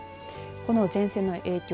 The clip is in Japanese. この前線の影響